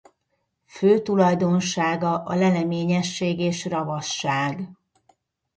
Fő tulajdonsága a leleményesség és ravaszság.